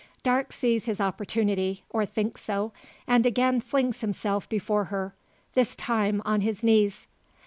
Darke sees his opportunity, or thinks so; and again flings himself before her this time on his knees.